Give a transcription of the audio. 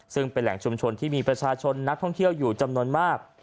ซึ่งเป็นแหล่งชุมชนที่มีประชาชนนักท่องเที่ยวอยู่จำนวนมาก